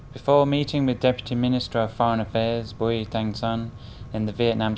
trước khi đến với thứ trưởng bộ ngoại giao bùi thanh sơn trong tiểu mục chuyện việt nam